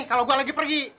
kalau gue lagi pergi